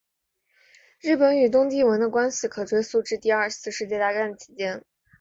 日本与东帝汶的关系可追溯至第二次世界大战期间。